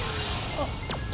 あっ。